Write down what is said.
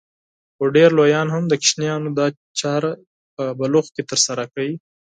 خو ډېر لويان هم د کوچنيانو دا چاره په بلوغ کې ترسره کوي.